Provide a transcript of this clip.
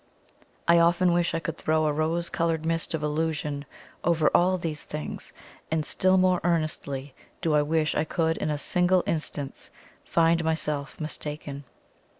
I often wish I could throw a rose coloured mist of illusion over all these things and still more earnestly do I wish I could in a single instance find myself mistaken.